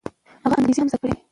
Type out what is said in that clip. هغه انګریزي هم زده کړه.